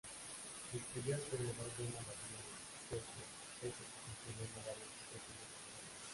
Describió alrededor de una docena de especies de peces, incluyendo varias especies de tiburones.